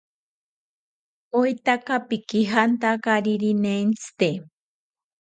¿Oetaka pikijantakariri nentzite?